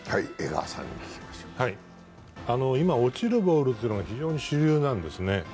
今、落ちるボールというのが非常に主流なんですね。